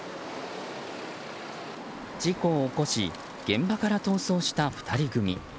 事故を起こし現場から逃走した２人組。